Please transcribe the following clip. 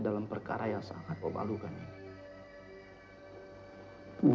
dalam perkara yang sangat memalukan ini